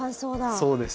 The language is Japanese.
そうです。